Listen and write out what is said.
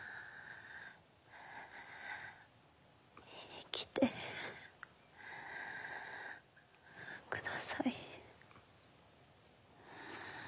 生きてください。